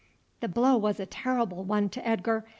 The blow was a terrible one to Edgar.